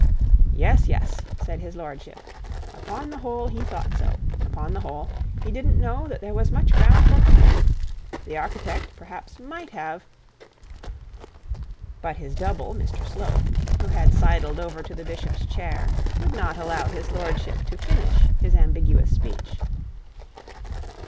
'Yes, yes,' said his lordship; upon the whole he thought so upon the whole, he didn't know that there was much ground for complaint; the architect, perhaps, might have but his double, Mr Slope, who had sidled over to the bishop's chair, would not allow his lordship to finish his ambiguous speech.